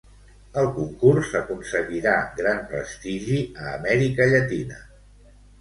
El Concurs aconseguirà gran prestigi a Amèrica Llatina.